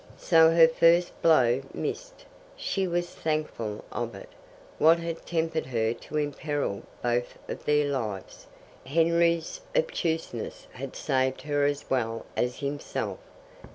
So her first blow missed. She was thankful of it. What had tempted her to imperil both of their lives? Henry's obtuseness had saved her as well as himself.